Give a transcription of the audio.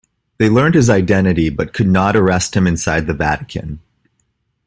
They learned his identity, but could not arrest him inside the Vatican.